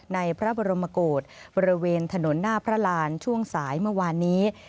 ในพระบรมกฏบริเวณถนนหน้าพระรานช่วงสายเมื่อวานนี้